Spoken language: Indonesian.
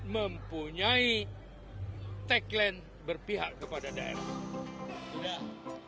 mempunyai tagline berpihak kepada daerah